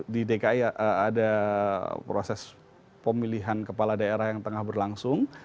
di dki ada proses pemilihan kepala daerah yang tengah berlangsung